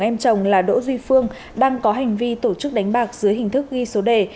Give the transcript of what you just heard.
em chồng là đỗ duy phương đang có hành vi tổ chức đánh bạc dưới hình thức ghi số đề